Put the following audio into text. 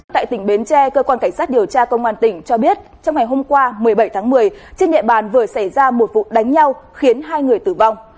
tại tỉnh bến tre cơ quan cảnh sát điều tra công an tỉnh cho biết trong ngày hôm qua một mươi bảy tháng một mươi trên địa bàn vừa xảy ra một vụ đánh nhau khiến hai người tử vong